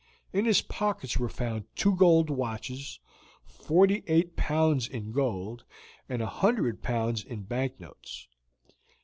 In his pockets were found two gold watches, forty eight pounds in gold, and a hundred pounds in bank notes.